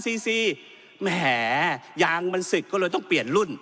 แหมยางมันศึกก็เลยต้องเปลี่ยนรุ่น